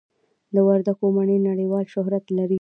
د وردګو مڼې نړیوال شهرت لري.